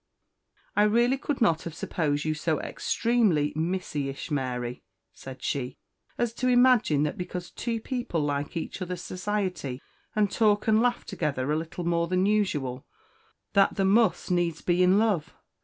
"I really could not have supposed you so extremely missy ish, Mary," said she, "as to imagine that because two people like each other's society, and talk and laugh together a little more than usual, that the must needs be in love!